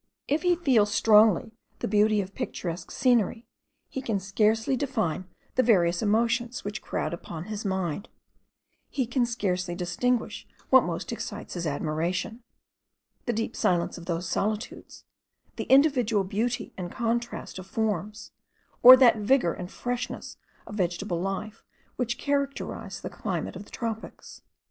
If he feel strongly the beauty of picturesque scenery he can scarcely define the various emotions which crowd upon his mind; he can scarcely distinguish what most excites his admiration, the deep silence of those solitudes, the individual beauty and contrast of forms, or that vigour and freshness of vegetable life which characterize the climate of the tropics.